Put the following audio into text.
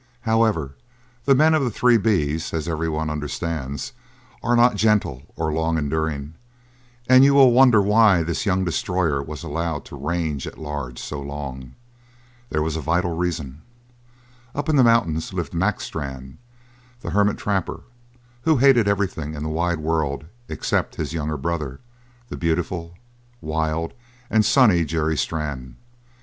However, the men of the Three B's, as everyone understands, are not gentle or long enduring, and you will wonder why this young destroyer was allowed to range at large so long. There was a vital reason. Up in the mountains lived Mac Strann, the hermit trapper, who hated everything in the wide world except his young brother, the beautiful, wild, and sunny Jerry Strann.